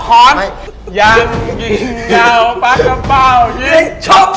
ยังยิงยาวปะกะเป่ายิงช็อป